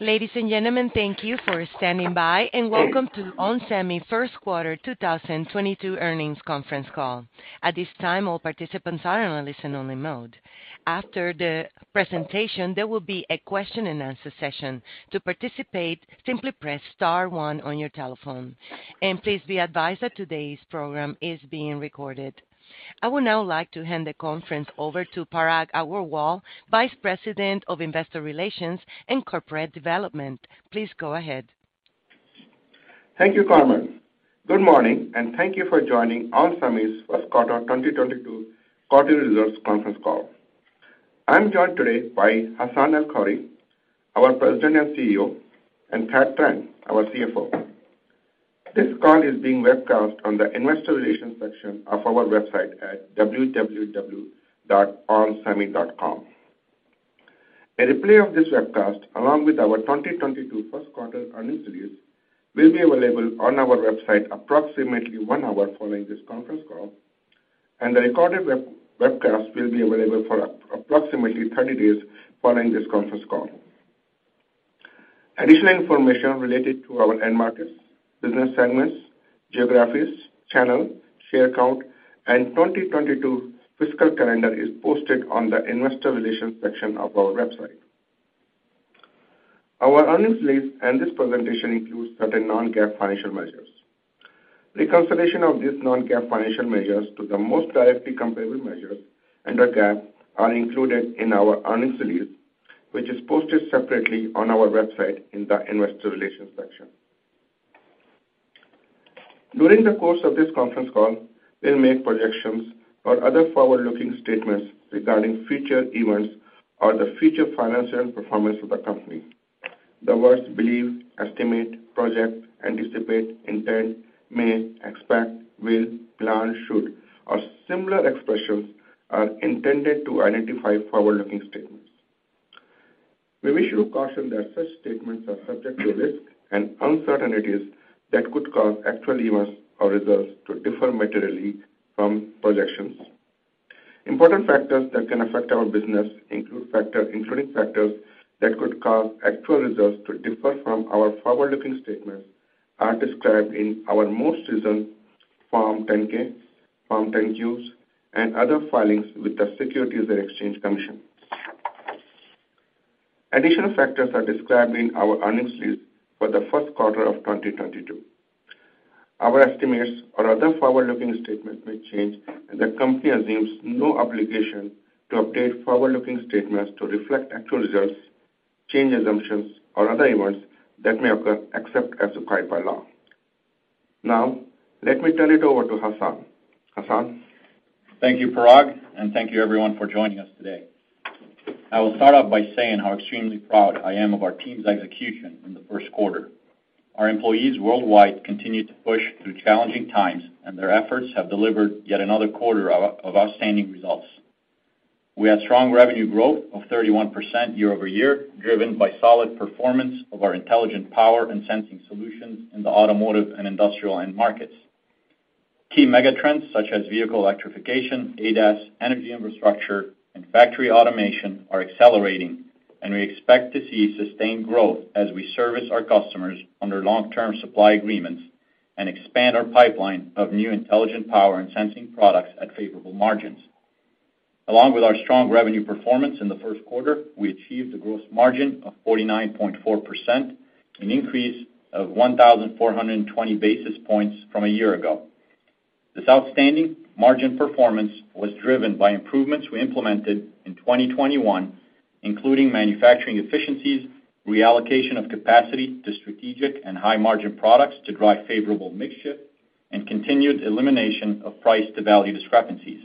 Ladies and gentlemen, thank you for standing by, and welcome to ON Semi first quarter 2022 earnings conference call. At this time, all participants are in a listen only mode. After the presentation, there will be a question and answer session. To participate, simply press star one on your telephone. Please be advised that today's program is being recorded. I would now like to hand the conference over to Parag Agarwal, Vice President of Investor Relations and Corporate Development. Please go ahead. Thank you, Carmen. Good morning, and thank you for joining ON Semi's first quarter 2022 quarterly results conference call. I'm joined today by Hassane El-Khoury, our President and CEO, and Thad Trent, our CFO. This call is being webcast on the investor relations section of our website at www.ON Semi.com. A replay of this webcast, along with our 2022 first quarter earnings release, will be available on our website approximately one hour following this conference call, and the recorded webcast will be available for approximately thirty days following this conference call. Additional information related to our end markets, business segments, geographies, channel, share count and 2022 fiscal calendar is posted on the investor relations section of our website. Our earnings release and this presentation includes certain non-GAAP financial measures. Reconciliation of these non-GAAP financial measures to the most directly comparable measures under GAAP are included in our earnings release, which is posted separately on our website in the investor relations section. During the course of this conference call, we'll make projections or other forward-looking statements regarding future events or the future financial performance of the company. The words believe, estimate, project, anticipate, intend, may, expect, will, plan, should, or similar expressions are intended to identify forward-looking statements. We wish to caution that such statements are subject to risks and uncertainties that could cause actual events or results to differ materially from projections. Important factors that can affect our business including factors that could cause actual results to differ from our forward-looking statements are described in our most recent Form 10-K, Form 10-Qs, and other filings with the Securities and Exchange Commission. Additional factors are described in our earnings release for the first quarter of 2022. Our estimates or other forward-looking statements may change, and the company assumes no obligation to update forward-looking statements to reflect actual results, change assumptions, or other events that may occur, except as required by law. Now, let me turn it over to Hassane. Hassane? Thank you, Parag, and thank you everyone for joining us today. I will start off by saying how extremely proud I am of our team's execution in the first quarter. Our employees worldwide continue to push through challenging times, and their efforts have delivered yet another quarter of outstanding results. We had strong revenue growth of 31% year-over-year, driven by solid performance of our intelligent power and sensing solutions in the automotive and industrial end markets. Key megatrends such as vehicle electrification, ADAS, energy infrastructure, and factory automation are accelerating, and we expect to see sustained growth as we service our customers under long-term supply agreements and expand our pipeline of new intelligent power and sensing products at favorable margins. Along with our strong revenue performance in the first quarter, we achieved a gross margin of 49.4%, an increase of 1,420 basis points from a year ago. This outstanding margin performance was driven by improvements we implemented in 2021, including manufacturing efficiencies, reallocation of capacity to strategic and high-margin products to drive favorable mix shift, and continued elimination of price to value discrepancies.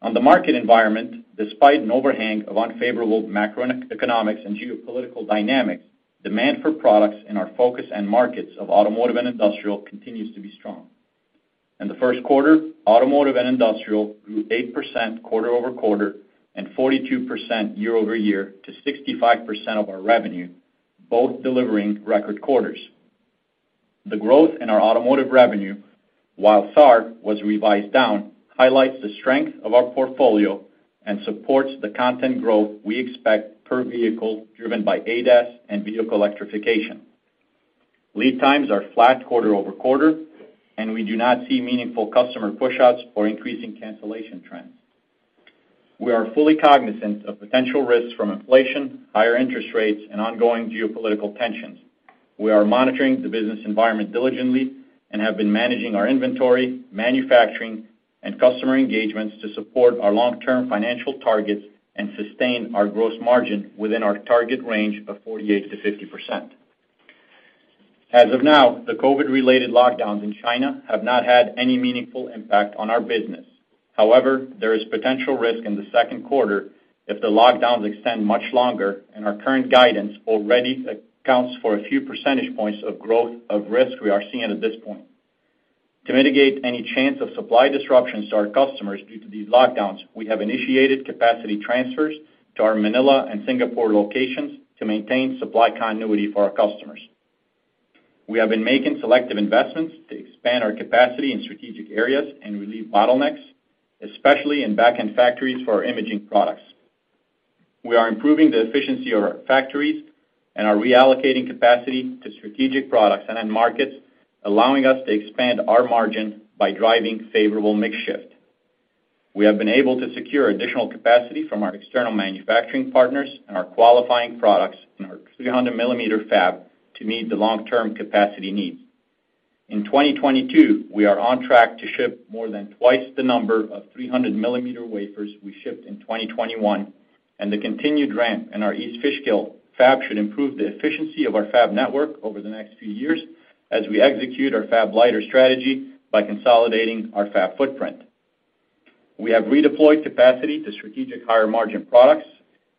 On the market environment, despite an overhang of unfavorable macroeconomics and geopolitical dynamics, demand for products in our focus and markets of automotive and industrial continues to be strong. In the first quarter, automotive and industrial grew 8% quarter over quarter and 42% year over year to 65% of our revenue, both delivering record quarters. The growth in our automotive revenue, while SAAR was revised down, highlights the strength of our portfolio and supports the content growth we expect per vehicle driven by ADAS and vehicle electrification. Lead times are flat quarter-over-quarter, and we do not see meaningful customer pushouts or increasing cancellation trends. We are fully cognizant of potential risks from inflation, higher interest rates, and ongoing geopolitical tensions. We are monitoring the business environment diligently and have been managing our inventory, manufacturing, and customer engagements to support our long-term financial targets and sustain our gross margin within our target range of 48%-50%. As of now, the COVID-related lockdowns in China have not had any meaningful impact on our business. However, there is potential risk in the second quarter if the lockdowns extend much longer, and our current guidance already accounts for a few percentage points of growth of risk we are seeing at this point. To mitigate any chance of supply disruptions to our customers due to these lockdowns, we have initiated capacity transfers to our Manila and Singapore locations to maintain supply continuity for our customers. We have been making selective investments to expand our capacity in strategic areas and relieve bottlenecks, especially in back-end factories for our imaging products. We are improving the efficiency of our factories and are reallocating capacity to strategic products and end markets, allowing us to expand our margin by driving favorable mix shift. We have been able to secure additional capacity from our external manufacturing partners and are qualifying products in our 300 mm fab to meet the long-term capacity needs. In 2022, we are on track to ship more than twice the number of 300 mm wafers we shipped in 2021, and the continued ramp in our East Fishkill fab should improve the efficiency of our fab network over the next few years as we execute our fab-lite strategy by consolidating our fab footprint. We have redeployed capacity to strategic higher margin products,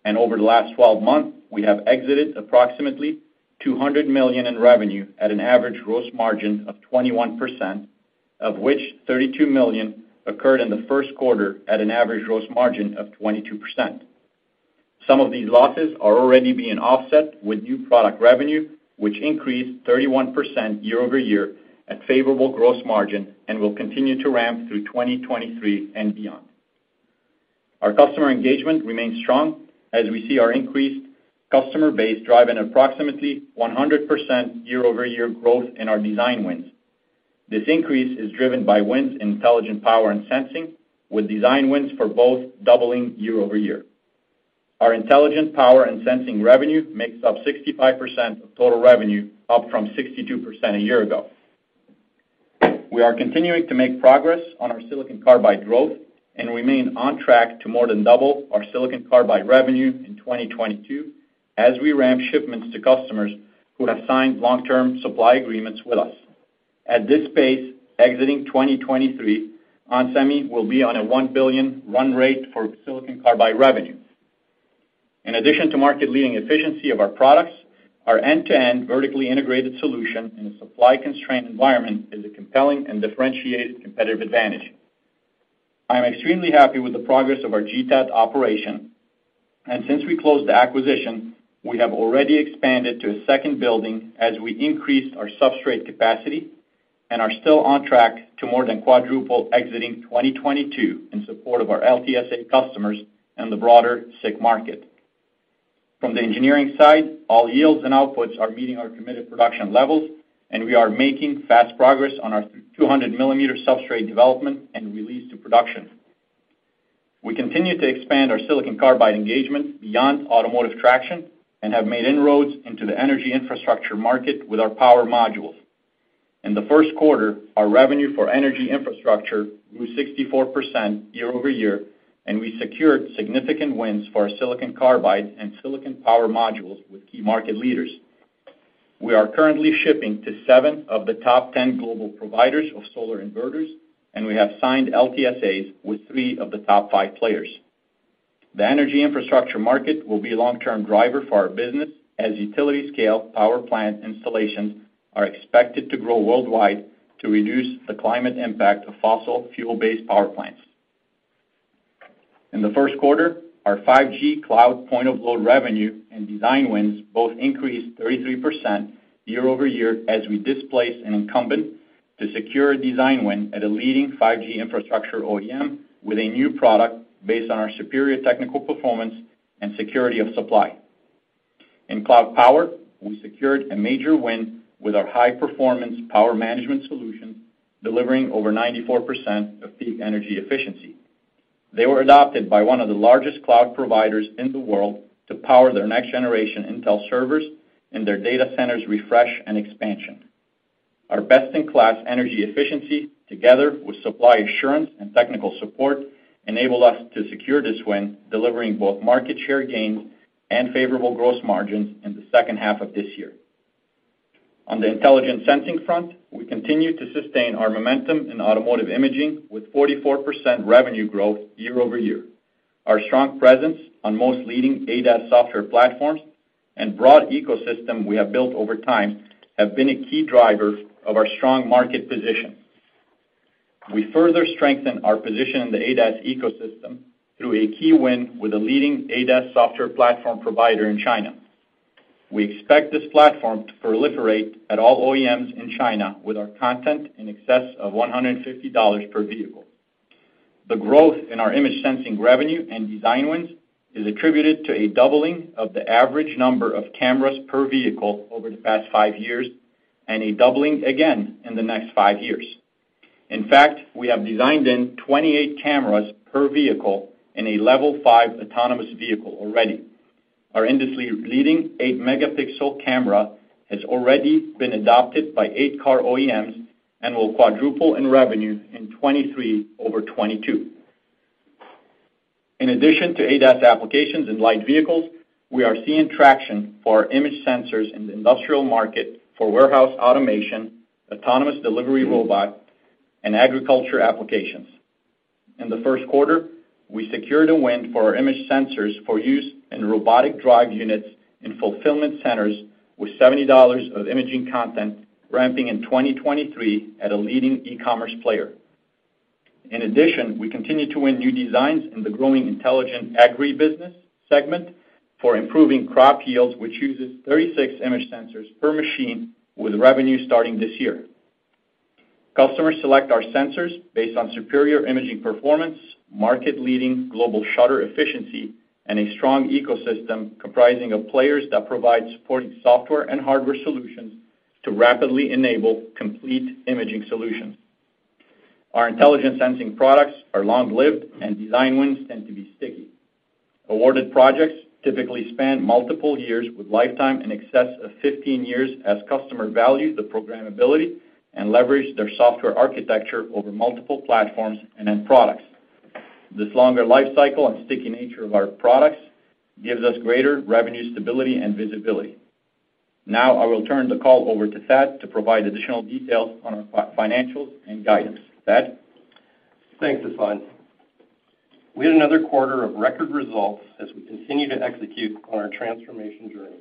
and over the last 12 months, we have exited approximately $200 million in revenue at an average gross margin of 21%, of which $32 million occurred in the first quarter at an average gross margin of 22%. Some of these losses are already being offset with new product revenue, which increased 31% year over year at favorable gross margin and will continue to ramp through 2023 and beyond. Our customer engagement remains strong as we see our increased customer base driving approximately 100% year-over-year growth in our design wins. This increase is driven by wins in intelligent power and sensing, with design wins for both doubling year over year. Our intelligent power and sensing revenue makes up 65% of total revenue, up from 62% a year ago. We are continuing to make progress on our silicon carbide growth and remain on track to more than double our silicon carbide revenue in 2022 as we ramp shipments to customers who have signed long-term supply agreements with us. At this pace, exiting 2023, ON Semi will be on a $1 billion run rate for silicon carbide revenue. In addition to market leading efficiency of our products, our end-to-end vertically integrated solution in a supply constrained environment is a compelling and differentiated competitive advantage. I'm extremely happy with the progress of our GTAT operation. Since we closed the acquisition, we have already expanded to a second building as we increased our substrate capacity and are still on track to more than quadruple exiting 2022 in support of our LTSA customers and the broader SiC market. From the engineering side, all yields and outputs are meeting our committed production levels, and we are making fast progress on our 200 mm substrate development and release to production. We continue to expand our silicon carbide engagement beyond automotive traction and have made inroads into the energy infrastructure market with our power modules. In the first quarter, our revenue for energy infrastructure grew 64% year-over-year, and we secured significant wins for our silicon carbide and silicon power modules with key market leaders. We are currently shipping to seven of the top 10 global providers of solar inverters, and we have signed LTSAs with three of the top five players. The energy infrastructure market will be a long-term driver for our business, as utility scale power plant installations are expected to grow worldwide to reduce the climate impact of fossil fuel-based power plants. In the first quarter, our 5G cloud point-of-load revenue and design wins both increased 33% year-over-year as we displaced an incumbent to secure a design win at a leading 5G infrastructure OEM with a new product based on our superior technical performance and security of supply. In cloud power, we secured a major win with our high-performance power management solution, delivering over 94% of peak energy efficiency. They were adopted by one of the largest cloud providers in the world to power their next generation Intel servers and their data centers refresh and expansion. Our best-in-class energy efficiency, together with supply assurance and technical support, enable us to secure this win, delivering both market share gains and favorable gross margins in the second half of this year. On the intelligent sensing front, we continue to sustain our momentum in automotive imaging with 44% revenue growth year-over-year. Our strong presence on most leading ADAS software platforms and broad ecosystem we have built over time have been a key driver of our strong market position. We further strengthen our position in the ADAS ecosystem through a key win with a leading ADAS software platform provider in China. We expect this platform to proliferate at all OEMs in China with our content in excess of $150 per vehicle. The growth in our image sensing revenue and design wins is attributed to a doubling of the average number of cameras per vehicle over the past five years and a doubling again in the next five years. In fact, we have designed in 28 cameras per vehicle in a level five autonomous vehicle already. Our industry-leading 8MP camera has already been adopted by eight car OEMs and will quadruple in revenue in 2023 over 2022. In addition to ADAS applications in light vehicles, we are seeing traction for our image sensors in the industrial market for warehouse automation, autonomous delivery robot, and agriculture applications. In the first quarter, we secured a win for our image sensors for use in robotic drive units in fulfillment centers with $70 of imaging content ramping in 2023 at a leading e-commerce player. In addition, we continue to win new designs in the growing intelligent agri business segment for improving crop yields, which uses 36 image sensors per machine with revenue starting this year. Customers select our sensors based on superior imaging performance, market-leading global shutter efficiency, and a strong ecosystem comprising of players that provide supporting software and hardware solutions to rapidly enable complete imaging solutions. Our intelligent sensing products are long-lived, and design wins tend to be sticky. Awarded projects typically span multiple years with lifetime in excess of 15 years as customer values the programmability and leverage their software architecture over multiple platforms and end products. This longer life cycle and sticky nature of our products gives us greater revenue stability and visibility. Now I will turn the call over to Thad to provide additional details on our financials and guidance. Thad? Thanks, Hassane. We had another quarter of record results as we continue to execute on our transformation journey.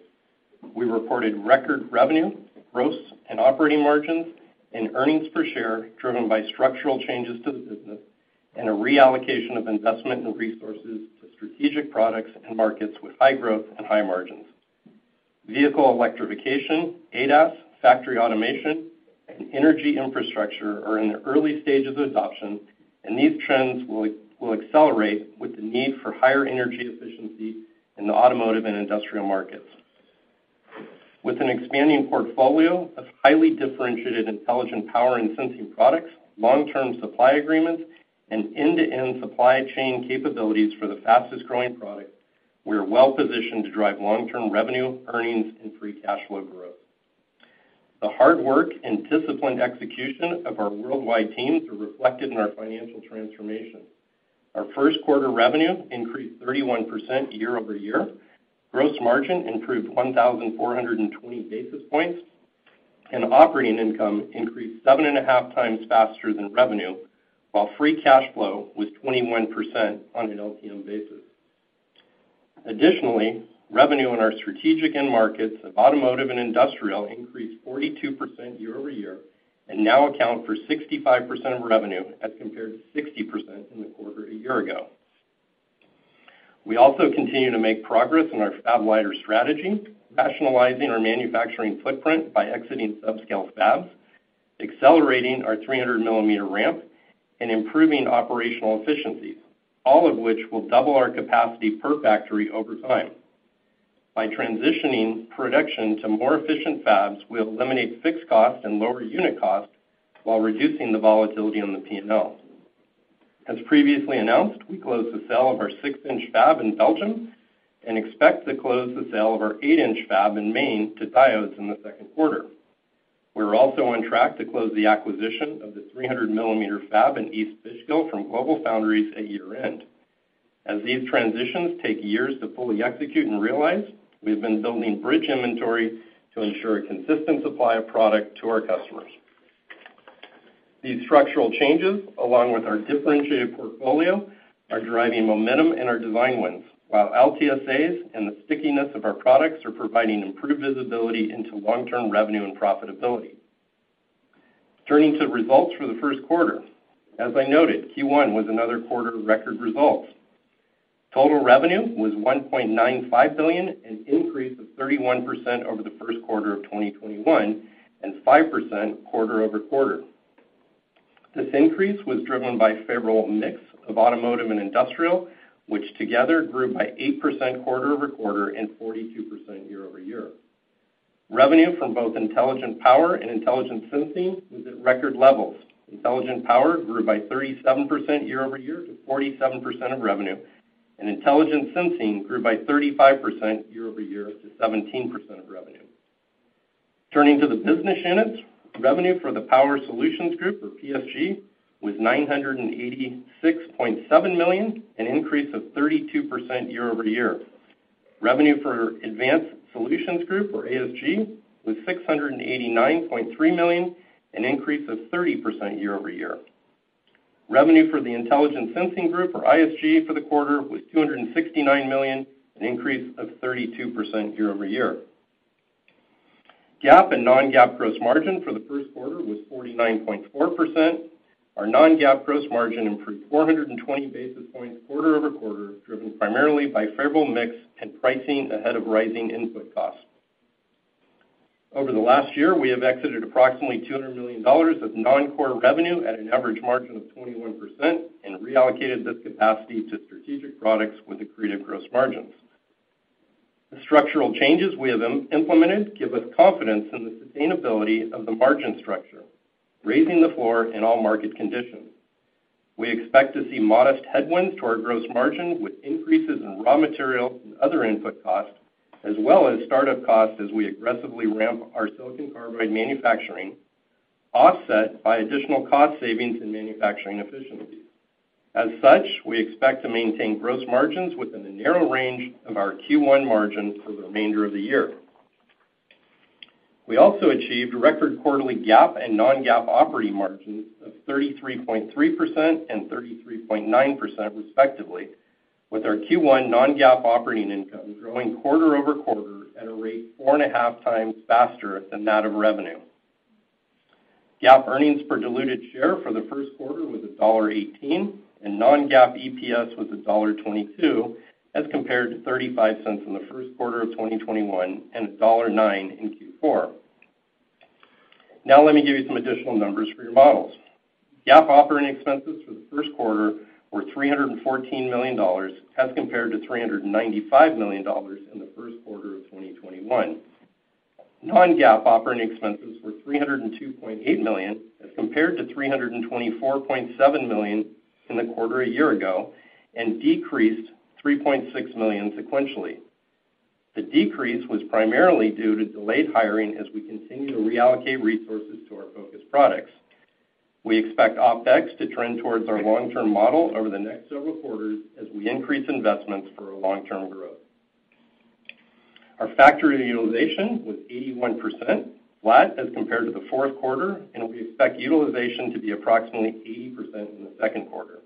We reported record revenue, gross, and operating margins and earnings per share driven by structural changes to the business and a reallocation of investment and resources to strategic products and markets with high growth and high margins. Vehicle electrification, ADAS, factory automation, and energy infrastructure are in the early stages of adoption, and these trends will accelerate with the need for higher energy efficiency in the automotive and industrial markets. With an expanding portfolio of highly differentiated intelligent power and sensing products, long-term supply agreements, and end-to-end supply chain capabilities for the fastest-growing products, we are well-positioned to drive long-term revenue, earnings, and free cash flow growth. The hard work and disciplined execution of our worldwide teams are reflected in our financial transformation. Our first quarter revenue increased 31% year-over-year. Gross margin improved 1,420 basis points, and operating income increased 7.5 times faster than revenue, while free cash flow was 21% on an LTM basis. Additionally, revenue in our strategic end markets of automotive and industrial increased 42% year-over-year and now accounts for 65% of revenue as compared to 60% in the quarter a year ago. We also continue to make progress in our fab-liter strategy, rationalizing our manufacturing footprint by exiting subscale fabs, accelerating our 300 mm ramp, and improving operational efficiencies, all of which will double our capacity per factory over time. By transitioning production to more efficient fabs, we'll eliminate fixed costs and lower unit costs while reducing the volatility in the P&L. As previously announced, we closed the sale of our six-inch fab in Belgium and expect to close the sale of our eight-inch fab in Maine to Diodes in the second quarter. We're also on track to close the acquisition of the 300 mm fab in East Fishkill from GlobalFoundries at year-end. As these transitions take years to fully execute and realize, we've been building bridge inventory to ensure a consistent supply of product to our customers. These structural changes, along with our differentiated portfolio, are driving momentum in our design wins, while LTSAs and the stickiness of our products are providing improved visibility into long-term revenue and profitability. Turning to results for the first quarter. As I noted, Q1 was another quarter of record results. Total revenue was $1.95 billion, an increase of 31% over the first quarter of 2021 and 5% quarter-over-quarter. This increase was driven by favorable mix of automotive and industrial, which together grew by 8% quarter-over-quarter and 42% year-over-year. Revenue from both intelligent power and intelligent sensing was at record levels. Intelligent power grew by 37% year-over-year to 47% of revenue, and intelligent sensing grew by 35% year-over-year to 17% of revenue. Turning to the business units. Revenue for the Power Solutions Group, or PSG, was $986.7 million, an increase of 32% year-over-year. Revenue for Advanced Solutions Group, or ASG, was $689.3 million, an increase of 30% year-over-year. Revenue for the Intelligent Sensing Group, or ISG, for the quarter was $269 million, an increase of 32% year-over-year. GAAP and non-GAAP gross margin for the first quarter was 49.4%. Our non-GAAP gross margin improved 420 basis points quarter-over-quarter, driven primarily by favorable mix and pricing ahead of rising input costs. Over the last year, we have exited approximately $200 million of non-core revenue at an average margin of 21% and reallocated this capacity to strategic products with accretive gross margins. The structural changes we have implemented give us confidence in the sustainability of the margin structure, raising the floor in all market conditions. We expect to see modest headwinds to our gross margin with increases in raw material and other input costs, as well as startup costs as we aggressively ramp our silicon carbide manufacturing, offset by additional cost savings and manufacturing efficiencies. We expect to maintain gross margins within a narrow range of our Q1 margin for the remainder of the year. We also achieved record quarterly GAAP and non-GAAP operating margins of 33.3% and 33.9%, respectively. With our Q1 non-GAAP operating income growing quarter-over-quarter at a rate 4.5 times faster than that of revenue. GAAP earnings per diluted share for the first quarter was $1.18, and non-GAAP EPS was $1.22, as compared to $0.35 in the first quarter of 2021 and $1.9 in Q4. Now, let me give you some additional numbers for your models. GAAP operating expenses for the first quarter were $314 million as compared to $395 million in the first quarter of 2021. Non-GAAP operating expenses were $302.8 million as compared to $324.7 million in the quarter a year ago and decreased $3.6 million sequentially. The decrease was primarily due to delayed hiring as we continue to reallocate resources to our focus products. We expect OpEx to trend towards our long-term model over the next several quarters as we increase investments for our long-term growth. Our factory utilization was 81%, flat as compared to the fourth quarter, and we expect utilization to be approximately 80% in the second quarter.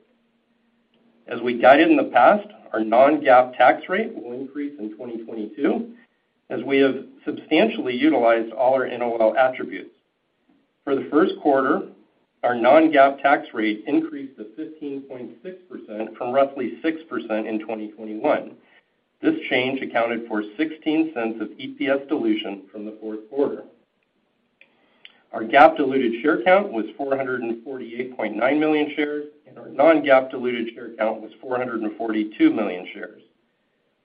As we guided in the past, our non-GAAP tax rate will increase in 2022 as we have substantially utilized all our NOL attributes. For the first quarter, our non-GAAP tax rate increased to 15.6% from roughly 6% in 2021. This change accounted for $0.16 of EPS dilution from the fourth quarter. Our GAAP diluted share count was 448.9 million shares, and our non-GAAP diluted share count was 442 million shares.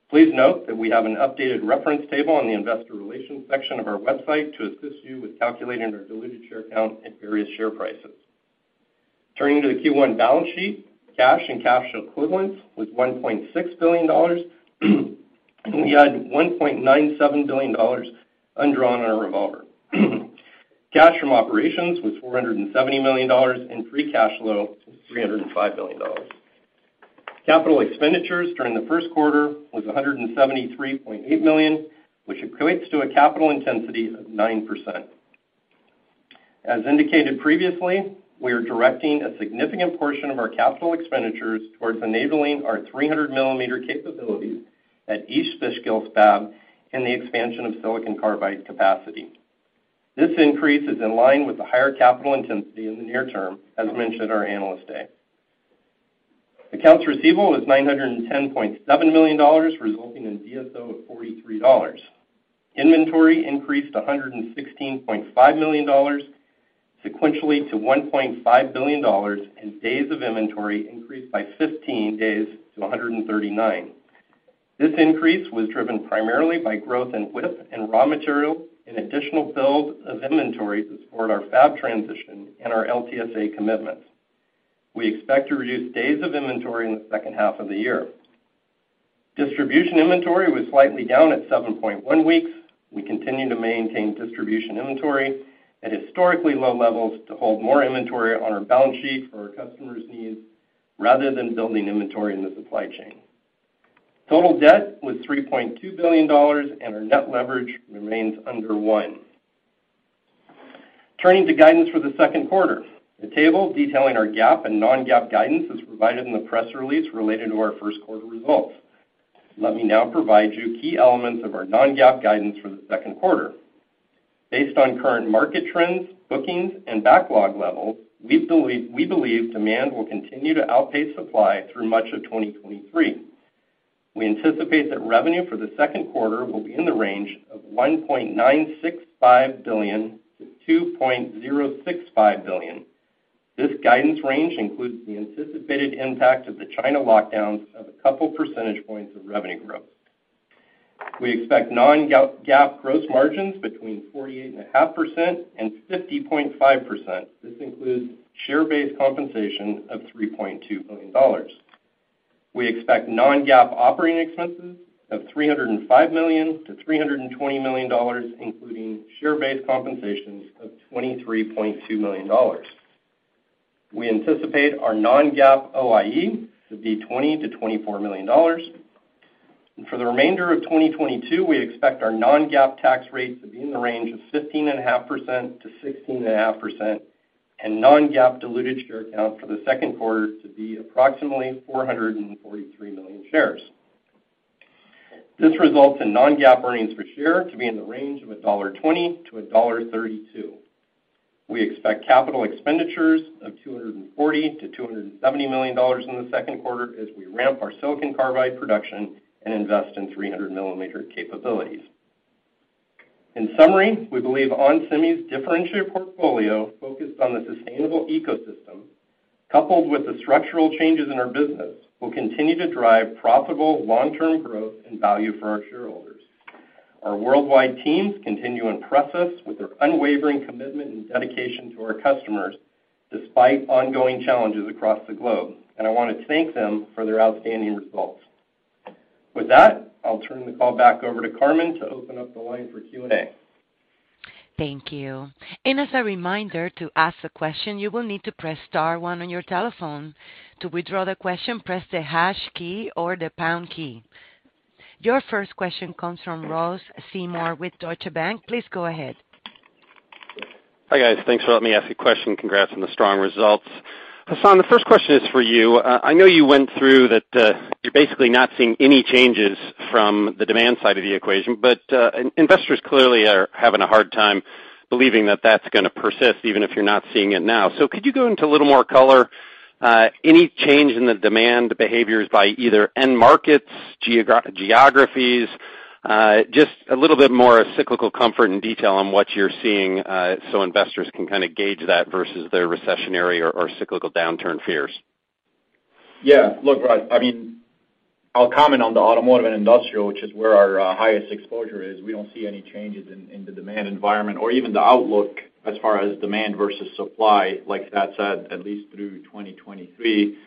Please note that we have an updated reference table on the investor relations section of our website to assist you with calculating our diluted share count at various share prices. Turning to the Q1 balance sheet, cash and cash equivalents was $1.6 billion, and we had $1.97 billion undrawn on our revolver. Cash from operations was $470 million, and free cash flow was $305 million. Capital expenditures during the first quarter was $173.8 million, which equates to a capital intensity of 9%. We are directing a significant portion of our capital expenditures towards enabling our 300 millimeter capabilities at East Fishkill fab in the expansion of silicon carbide capacity. This increase is in line with the higher capital intensity in the near term, as mentioned at our Analyst Day. Accounts receivable is $910.7 million, resulting in DSO of 43 days. Inventory increased $116.5 million sequentially to $1.5 billion, and days of inventory increased by 15 days to 139. This increase was driven primarily by growth in WIP and raw material and additional build of inventory to support our fab transition and our LTSA commitments. We expect to reduce days of inventory in the second half of the year. Distribution inventory was slightly down at 7.1 weeks. We continue to maintain distribution inventory at historically low levels to hold more inventory on our balance sheet for our customers' needs rather than building inventory in the supply chain. Total debt was $3.2 billion, and our net leverage remains under one. Turning to guidance for the second quarter. The table detailing our GAAP and non-GAAP guidance is provided in the press release related to our first quarter results. Let me now provide you key elements of our non-GAAP guidance for the second quarter. Based on current market trends, bookings, and backlog levels, we believe demand will continue to outpace supply through much of 2023. We anticipate that revenue for the second quarter will be in the range of $1.965 -2.065 billion. This guidance range includes the anticipated impact of the China lockdowns of a couple percentage points of revenue growth. We expect non-GAAP gross margins between 48.5% and 50.5%. This includes share-based compensation of $3.2 billion. We expect non-GAAP operating expenses of $305-320 million, including share-based compensations of $23.2 million. We anticipate our non-GAAP OIE to be $20-24 million. For the remainder of 2022, we expect our non-GAAP tax rate to be in the range of 15.5%-16.5%, and non-GAAP diluted share count for the second quarter to be approximately 443 million shares. This results in non-GAAP earnings per share to be in the range of $1.20-$1.32. We expect capital expenditures of $240-270 million in the second quarter as we ramp our silicon carbide production and invest in 300 mm capabilities. In summary, we believe ON Semi's differentiated portfolio focused on the sustainable ecosystem coupled with the structural changes in our business will continue to drive profitable long-term growth and value for our shareholders. Our worldwide teams continue to impress us with their unwavering commitment and dedication to our customers despite ongoing challenges across the globe, and I want to thank them for their outstanding results. With that, I'll turn the call back over to Carmen to open up the line for Q&A. Thank you. As a reminder, to ask a question, you will need to press star one on your telephone. To withdraw the question, press the hash key or the pound key. Your first question comes from Ross Seymore with Deutsche Bank. Please go ahead. Hi, guys. Thanks for letting me ask a question. Congrats on the strong results. Hassane, the first question is for you. I know you went through that, you're basically not seeing any changes from the demand side of the equation, but investors clearly are having a hard time believing that that's gonna persist even if you're not seeing it now. Could you go into a little more color, any change in the demand behaviors by either end markets, geographies? Just a little bit more cyclical comfort and detail on what you're seeing, so investors can kind of gauge that versus their recessionary or cyclical downturn fears. Yeah. Look, Ross, I mean, I'll comment on the automotive and industrial, which is where our highest exposure is. We don't see any changes in the demand environment or even the outlook as far as demand versus supply, like Thad said, at least through 2023.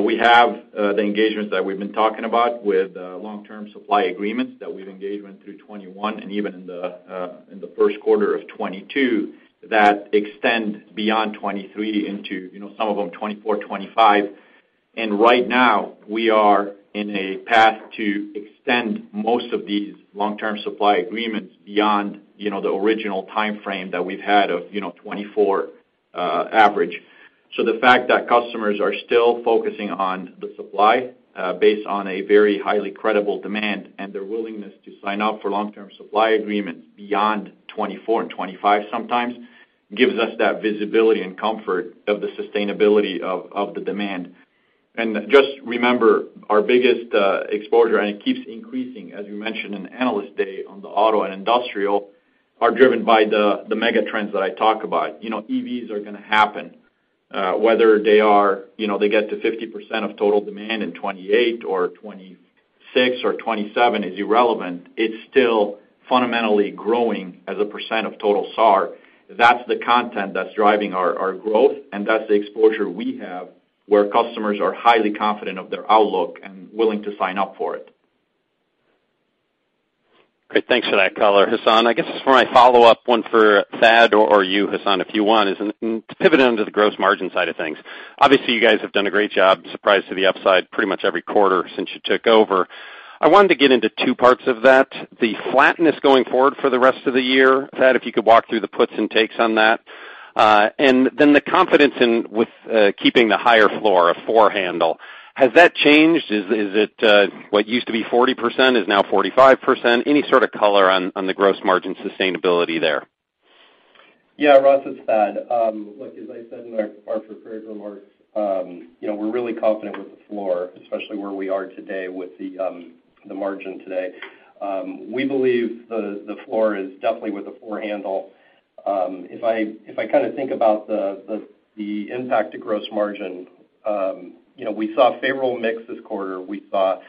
We have the engagements that we've been talking about with long-term supply agreements that we've engaged with through 2021 and even in the first quarter of 2022 that extend beyond 2023 into, you know, some of them, 2024, 2025. Right now, we are in a path to extend most of these long-term supply agreements beyond, you know, the original timeframe that we've had of, you know, 2024, average. The fact that customers are still focusing on the supply, based on a very highly credible demand and their willingness to sign up for long-term supply agreements beyond 2024 and 2025 sometimes gives us that visibility and comfort of the sustainability of the demand. Just remember, our biggest exposure, and it keeps increasing as we mentioned in Analyst Day on the auto and industrial, are driven by the mega trends that I talk about. You know, EVs are gonna happen. Whether they are, you know, they get to 50% of total demand in 2028 or 2026 or 2027 is irrelevant, it's still fundamentally growing as a percent of total SAAR. That's the content that's driving our growth, and that's the exposure we have where customers are highly confident of their outlook and willing to sign up for it. Great. Thanks for that color, Hassane. I guess for my follow-up one for Thad or you, Hassane, if you want, is to pivot into the gross margin side of things. Obviously, you guys have done a great job, surprise to the upside pretty much every quarter since you took over. I wanted to get into two parts of that, the flatness going forward for the rest of the year. Thad, if you could walk through the puts and takes on that. And then the confidence in with keeping the higher floor, a four handle. Has that changed? Is it what used to be 40% is now 45%? Any sort of color on the gross margin sustainability there. Yeah, Ross, it's Thad. Look, as I said in our prepared remarks, you know, we're really confident with the floor, especially where we are today with the margin today. We believe the floor is definitely with a four handle. If I kind of think about the impact to gross margin, you know, we saw favorable mix this quarter. We saw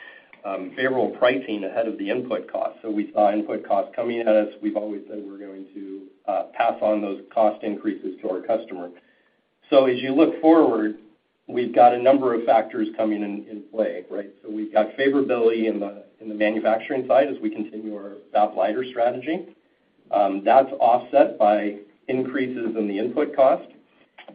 favorable pricing ahead of the input costs. So we saw input costs coming at us. We've always said we're going to pass on those cost increases to our customer. So as you look forward, we've got a number of factors coming into play, right? So we've got favorability in the manufacturing side as we continue our fab-liter strategy. That's offset by increases in the input costs.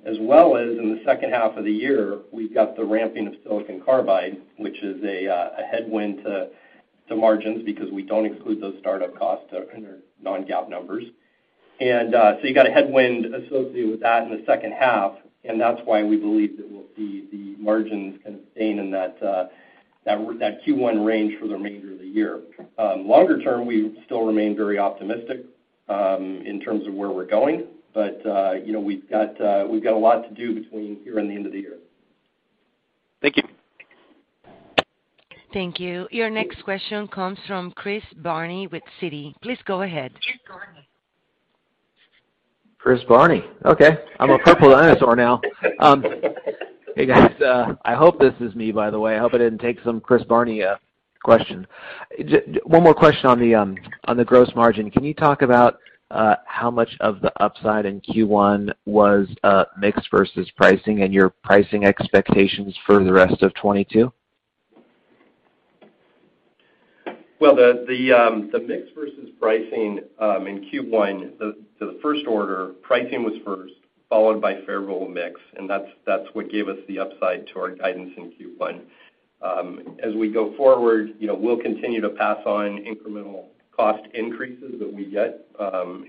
As well as in the second half of the year, we've got the ramping of silicon carbide, which is a headwind to margins because we don't exclude those startup costs in our non-GAAP numbers. You got a headwind associated with that in the second half, and that's why we believe that we'll see the margins kind of staying in that Q1 range for the remainder of the year. Longer term, we still remain very optimistic in terms of where we're going. You know, we've got a lot to do between here and the end of the year. Thank you. Thank you. Your next question comes from Chris Danely with Citi. Please go ahead. Okay. I'm a purple dinosaur now. Hey, guys. I hope this is me, by the way. I hope I didn't take some Chris Danely question. Just one more question on the gross margin. Can you talk about how much of the upside in Q1 was mix versus pricing and your pricing expectations for the rest of 2022? The mix versus pricing in Q1, the first order, pricing was first, followed by favorable mix, and that's what gave us the upside to our guidance in Q1. As we go forward, you know, we'll continue to pass on incremental cost increases that we get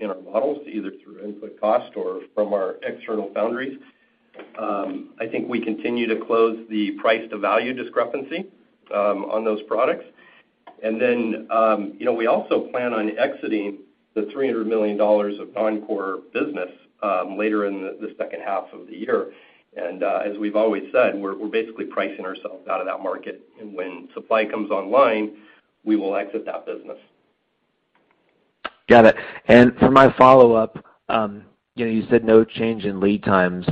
in our models, either through input cost or from our external foundries. I think we continue to close the price-to-value discrepancy on those products. You know, we also plan on exiting $300 million of non-core business later in the second half of the year. As we've always said, we're basically pricing ourselves out of that market. When supply comes online, we will exit that business. Got it. For my follow-up, you know, you said no change in lead times.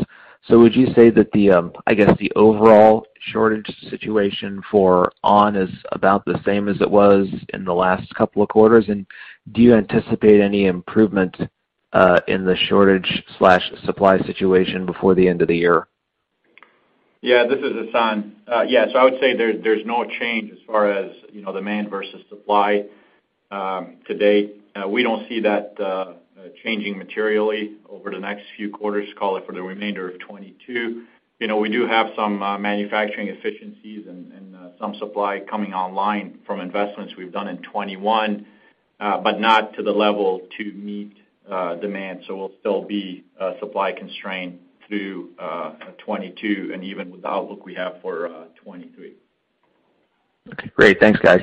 Would you say that the, I guess, the overall shortage situation for ON is about the same as it was in the last couple of quarters? Do you anticipate any improvement in the shortage/supply situation before the end of the year? Yeah, this is Hassane. Yeah. So I would say there's no change as far as, you know, demand versus supply, to date. We don't see that changing materially over the next few quarters, call it for the remainder of 2022. You know, we do have some manufacturing efficiencies and some supply coming online from investments we've done in 2021, but not to the level to meet demand. So we'll still be supply constrained through 2022 and even with the outlook we have for 2023. Okay, great. Thanks, guys.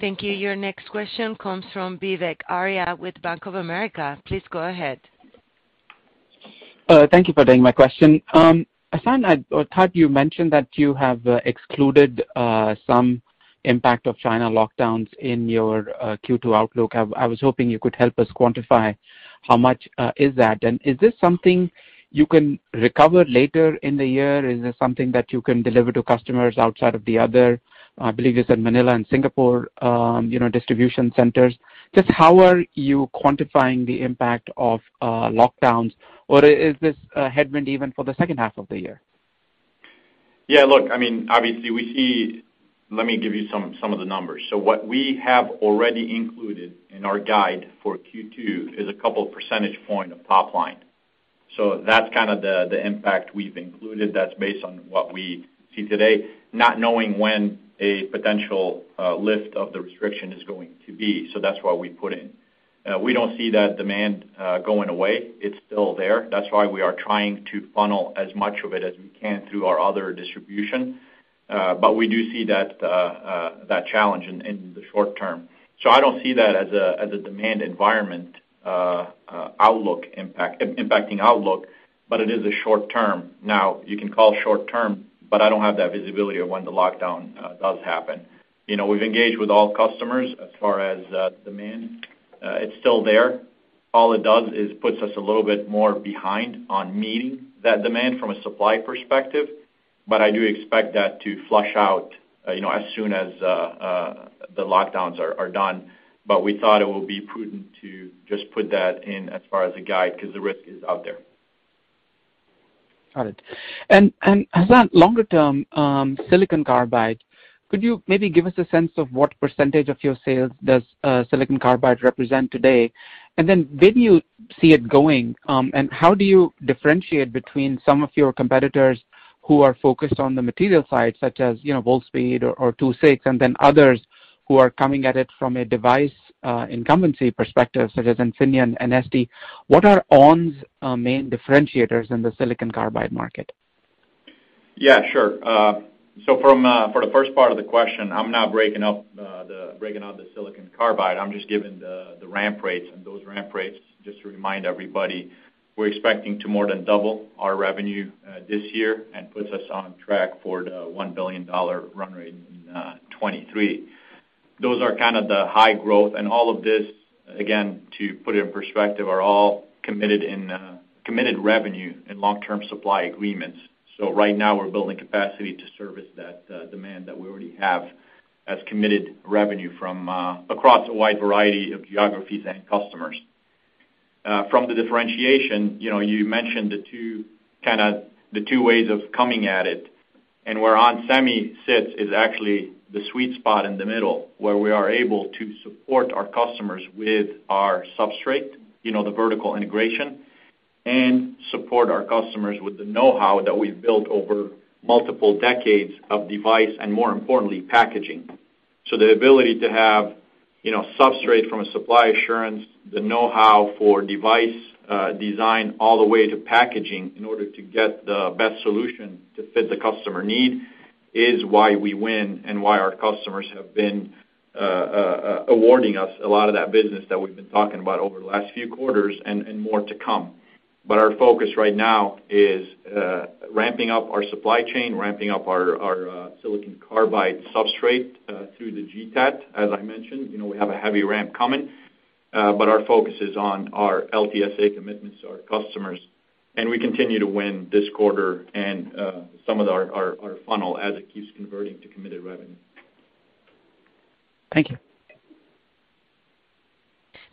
Thank you. Your next question comes from Vivek Arya with Bank of America. Please go ahead. Thank you for taking my question. Hassane, I thought you mentioned that you have excluded some impact of China lockdowns in your Q2 outlook. I was hoping you could help us quantify how much is that? Is this something you can recover later in the year? Is this something that you can deliver to customers outside of the other, I believe you said Manila and Singapore, you know, distribution centers? Just how are you quantifying the impact of lockdowns, or is this a headwind even for the second half of the year? Yeah, look, I mean, obviously we see. Let me give you some of the numbers. What we have already included in our guide for Q2 is a couple percentage points of top line. That's kind of the impact we've included. That's based on what we see today, not knowing when a potential lift of the restriction is going to be. That's why we put in. We don't see that demand going away. It's still there. That's why we are trying to funnel as much of it as we can through our other distribution. But we do see that challenge in the short term. I don't see that as a demand environment outlook impacting outlook, but it is a short term. Now, you can call short term, but I don't have that visibility of when the lockdown does happen. You know, we've engaged with all customers as far as demand. It's still there. All it does is puts us a little bit more behind on meeting that demand from a supply perspective. But I do expect that to flush out, you know, as soon as the lockdowns are done. But we thought it would be prudent to just put that in as far as a guide because the risk is out there. Got it. Hassane, longer term, silicon carbide, could you maybe give us a sense of what percentage of your sales does silicon carbide represent today? Then where do you see it going, and how do you differentiate between some of your competitors who are focused on the material side, such as Wolfspeed or II-VI, and then others who are coming at it from a device incumbency perspective, such as Infineon and STMicroelectronics? What are ON Semi's main differentiators in the silicon carbide market? Yeah, sure. For the first part of the question, I'm not breaking out the silicon carbide. I'm just giving the ramp rates. Those ramp rates, just to remind everybody, we're expecting to more than double our revenue this year and puts us on track for the $1 billion run rate in 2023. Those are kind of the high growth. All of this, again, to put it in perspective, are all committed revenue in long-term supply agreements. Right now we're building capacity to service that demand that we already have as committed revenue from across a wide variety of geographies and customers. From the differentiation, you know, you mentioned the two ways of coming at it. Where ON Semi sits is actually the sweet spot in the middle, where we are able to support our customers with our substrate, you know, the vertical integration, and support our customers with the know-how that we've built over multiple decades of device and, more importantly, packaging. The ability to have, you know, substrate from a supply assurance, the know-how for device design, all the way to packaging in order to get the best solution to fit the customer need is why we win and why our customers have been awarding us a lot of that business that we've been talking about over the last few quarters and more to come. Our focus right now is ramping up our supply chain, ramping up our silicon carbide substrate through the GTAT, as I mentioned. You know, we have a heavy ramp coming, but our focus is on our LTSA commitments to our customers, and we continue to win this quarter and some of our funnel as it keeps converting to committed revenue. Thank you.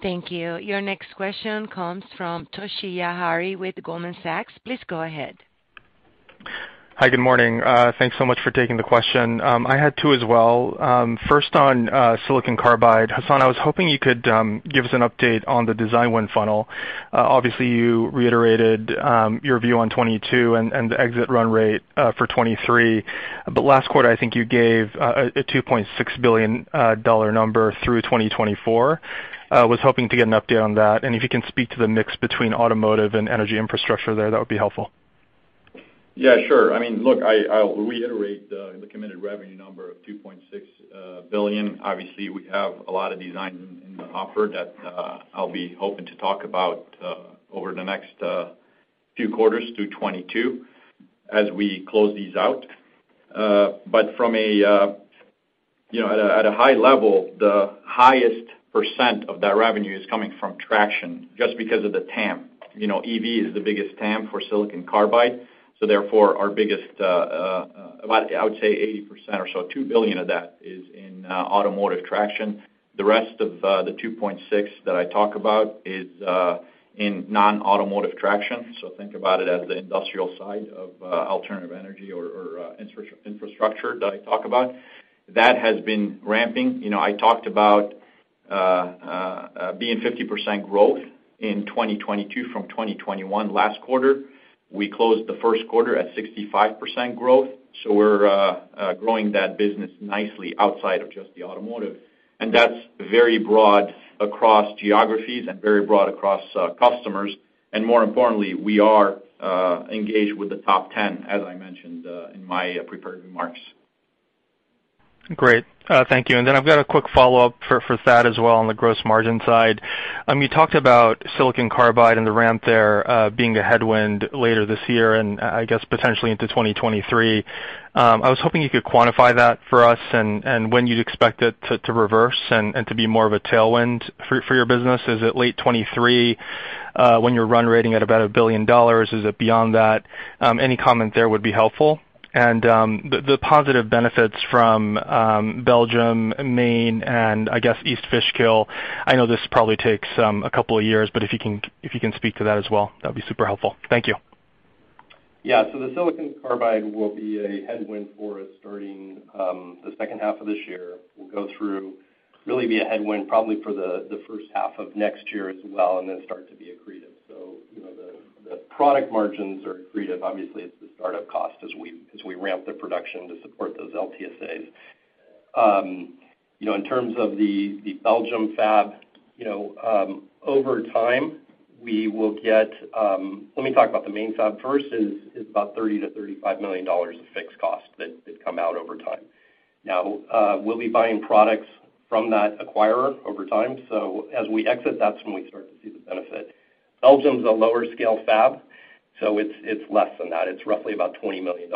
Thank you. Your next question comes from Toshiya Hari with Goldman Sachs. Please go ahead. Hi, good morning. Thanks so much for taking the question. I had two as well. First on silicon carbide. Hassane, I was hoping you could give us an update on the design win funnel. Obviously, you reiterated your view on 2022 and the exit run rate for 2023. Last quarter, I think you gave a $2.6 billion number through 2024. Was hoping to get an update on that. And if you can speak to the mix between automotive and energy infrastructure there, that would be helpful. Yeah, sure. I mean, look, I'll reiterate the committed revenue number of $2.6 billion. Obviously, we have a lot of design wins in the offing that I'll be hoping to talk about over the next few quarters through 2022 as we close these out. From a high level, the highest percent of that revenue is coming from traction just because of the TAM. You know, EV is the biggest TAM for silicon carbide, so therefore our biggest about, I would say 80% or so, $2 billion of that is in automotive traction. The rest of the $2.6 that I talk about is in non-automotive traction. Think about it as the industrial side of alternative energy or infrastructure that I talk about. That has been ramping. You know, I talked about being 50% growth in 2022 from 2021. Last quarter, we closed the first quarter at 65% growth. We're growing that business nicely outside of just the automotive. That's very broad across geographies and very broad across customers. More importantly, we are engaged with the top ten, as I mentioned, in my prepared remarks. Great. Thank you. I've got a quick follow-up for Thad Trent as well on the gross margin side. You talked about silicon carbide and the ramp there, being a headwind later this year, and I guess potentially into 2023. I was hoping you could quantify that for us and when you'd expect it to reverse and to be more of a tailwind for your business. Is it late 2023, when you're run rate at about $1 billion? Is it beyond that? Any comment there would be helpful. The positive benefits from Belgium, Maine, and I guess East Fishkill, I know this probably takes a couple of years, but if you can speak to that as well, that'd be super helpful. Thank you. Yeah. The silicon carbide will be a headwind for us starting the second half of this year. Really be a headwind probably for the first half of next year as well, and then start to be accretive. You know, the product margins are accretive. Obviously, it's the startup costs as we ramp the production to support those LTSAs. You know, in terms of the Belgium fab, you know, over time, we will get. Let me talk about the main fab first is about $30 -35 million of fixed cost that come out over time. Now, we'll be buying products from that acquirer over time. As we exit, that's when we start to see the benefit. Belgium's a lower scale fab, so it's less than that. It's roughly about $20 million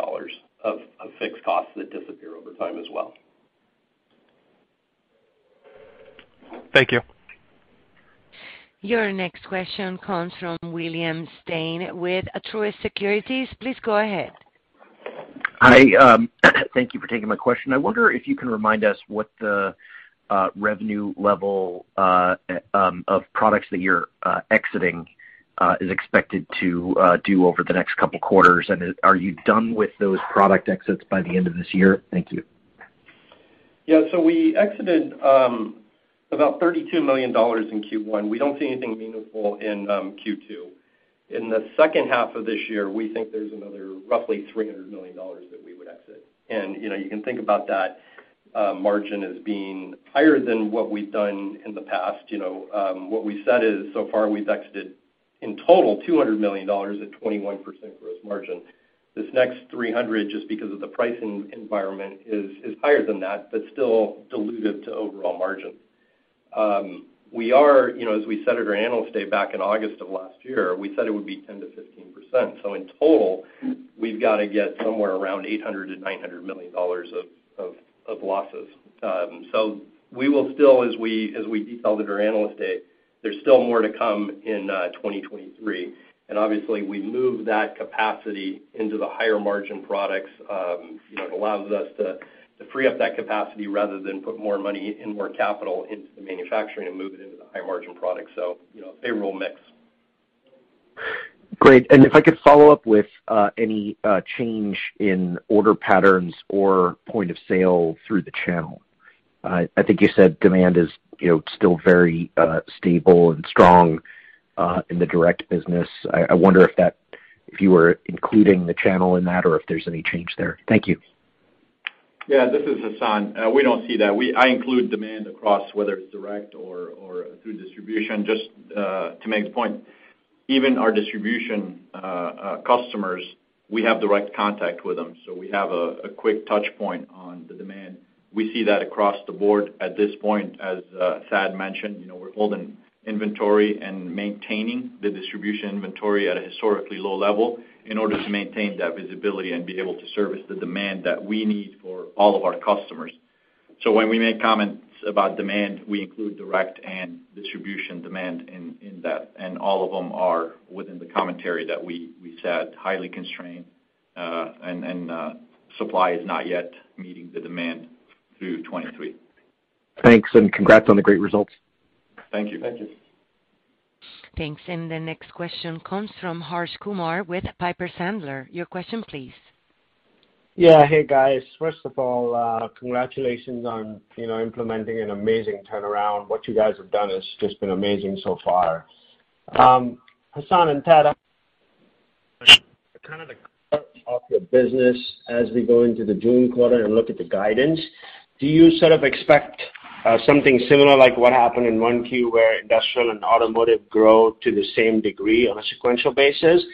of fixed costs that disappear over time as well. Thank you. Your next question comes from William Stein with Truist Securities. Please go ahead. I thank you for taking my question. I wonder if you can remind us what the revenue level of products that you're exiting is expected to do over the next couple quarters. Are you done with those product exits by the end of this year? Thank you. Yeah. We exited about $32 million in Q1. We don't see anything meaningful in Q2. In the second half of this year, we think there's another roughly $300 million that we would exit. You know, you can think about that margin as being higher than what we've done in the past. You know, what we said is so far, we've exited in total $200 million at 21% gross margin. This next 300, just because of the pricing environment, is higher than that, but still dilutive to overall margin. We are, you know, as we said at our Analyst Day back in August of last year, we said it would be 10%-15%. In total, we've got to get somewhere around $800-900 million of losses. We will still, as we detailed at our Analyst Day, there's still more to come in 2023. Obviously, we move that capacity into the higher margin products. You know, it allows us to free up that capacity rather than put more money and more capital into the manufacturing and move it into the high margin products. You know, favorable mix. Great. If I could follow up with any change in order patterns or point of sale through the channel. I think you said demand is, you know, still very stable and strong in the direct business. I wonder if you were including the channel in that or if there's any change there. Thank you. Yeah. This is Hassane. We don't see that. I include demand across whether it's direct or through distribution. Just to make the point, even our distribution customers, we have direct contact with them, so we have a quick touch point on the demand. We see that across the board. At this point, as Thad mentioned, you know, we're holding inventory and maintaining the distribution inventory at a historically low level in order to maintain that visibility and be able to service the demand that we need for all of our customers. When we make comments about demand, we include direct and distribution demand in that, and all of them are within the commentary that we set, highly constrained, and supply is not yet meeting the demand through 2023. Thanks, and congrats on the great results. Thank you. Thank you. Thanks. The next question comes from Harsh Kumar with Piper Sandler. Your question please. Yeah. Hey, guys. First of all, congratulations on, you know, implementing an amazing turnaround. What you guys have done has just been amazing so far. Hassane and Thad, kind of the growth of your business as we go into the June quarter and look at the guidance, do you sort of expect something similar like what happened in 1Q, where industrial and automotive grow to the same degree on a sequential basis?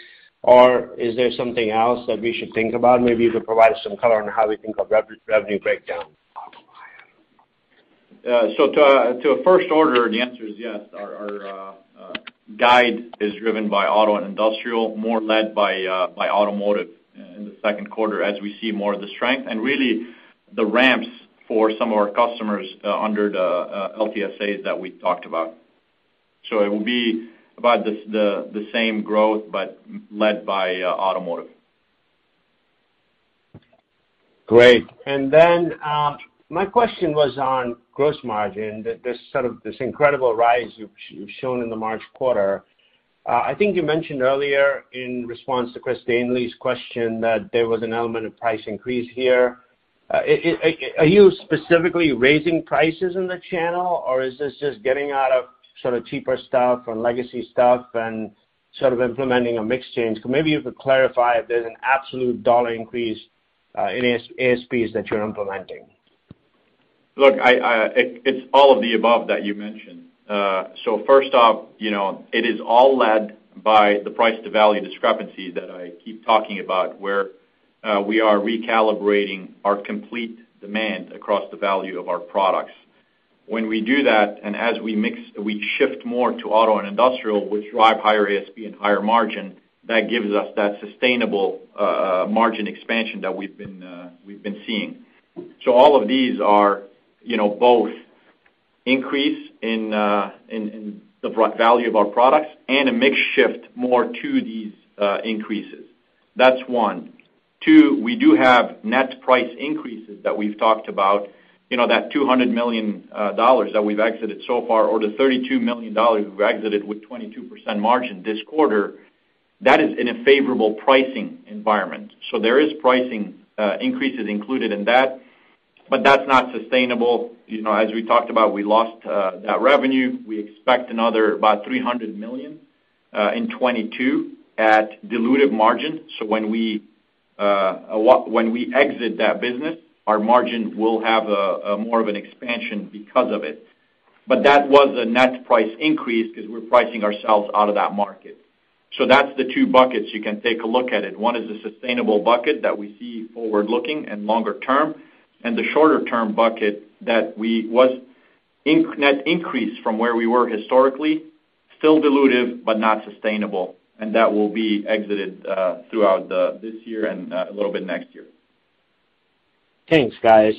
Or is there something else that we should think about? Maybe you could provide some color on how we think of revenue breakdown. To a first order, the answer is yes. Our guide is driven by auto and industrial, more led by automotive, in the second quarter as we see more of the strength and really the ramps for some of our customers under the LTSAs that we talked about. It will be about the same growth, but led by automotive. Great. My question was on gross margin. This sort of incredible rise you've shown in the March quarter. I think you mentioned earlier in response to Chris Danely's question, that there was an element of price increase here. Are you specifically raising prices in the channel or is this just getting out of sort of cheaper stuff or legacy stuff and sort of implementing a mix change? Maybe you could clarify if there's an absolute dollar increase in ASPs that you're implementing. Look, it's all of the above that you mentioned. First off, you know, it is all led by the price to value discrepancy that I keep talking about, where we are recalibrating our complete demand across the value of our products. When we do that, and as we mix, we shift more to auto and industrial, which drive higher ASP and higher margin, that gives us that sustainable margin expansion that we've been seeing. All of these are, you know, both increase in the broad value of our products and a mix shift more to these increases. That's one. Two, we do have net price increases that we've talked about. You know, that $200 million that we've exited so far or the $32 million we've exited with 22% margin this quarter, that is in a favorable pricing environment. There is pricing increases included in that, but that's not sustainable. You know, as we talked about, we lost that revenue. We expect another about $300 million in 2022 at dilutive margin. When we when we exit that business, our margin will have a more of an expansion because of it. That was a net price increase 'cause we're pricing ourselves out of that market. That's the two buckets you can take a look at it. One is a sustainable bucket that we see forward-looking and longer term, and the shorter term bucket that was net increase from where we were historically, still dilutive but not sustainable, and that will be exited throughout this year and a little bit next year. Thanks, guys.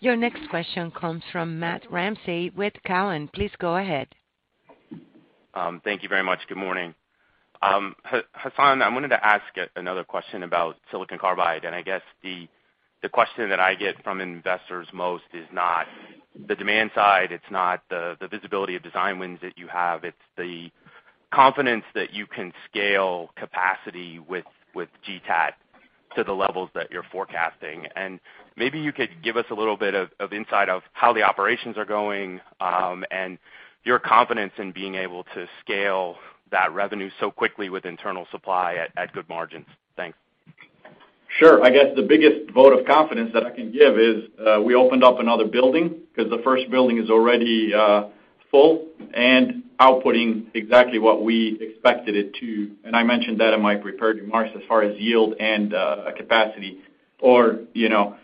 Your next question comes from Matt Ramsay with Cowen. Please go ahead. Thank you very much. Good morning. Hassan, I wanted to ask another question about silicon carbide, and I guess the question that I get from investors most is not the demand side, it's not the visibility of design wins that you have, it's the confidence that you can scale capacity with GTAT to the levels that you're forecasting. Maybe you could give us a little bit of insight into how the operations are going, and your confidence in being able to scale that revenue so quickly with internal supply at good margins. Thanks. Sure. I guess the biggest vote of confidence that I can give is, we opened up another building 'cause the first building is already, full and outputting exactly what we expected it to. I mentioned that in my prepared remarks as far as yield and, capacity or, you know,